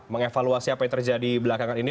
mengevaluasi apa yang terjadi belakangan ini